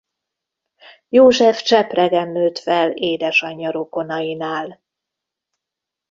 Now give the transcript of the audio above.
József Csepregen nőtt fel édesanyja rokonainál.